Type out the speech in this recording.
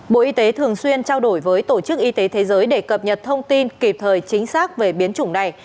bộ y tế thường xuyên trao đổi với tổ chức y tế thế giới để cập nhật thông tin kịp thời chính xác về biến chủng này